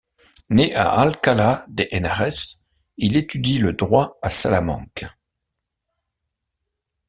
Né à Alcalá de Henares, il étudie le droit à Salamanque.